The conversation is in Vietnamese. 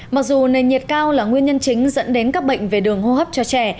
mặc dù nền nhiệt cao là nguyên nhân chính dẫn đến các bệnh về đường hô hấp cho trẻ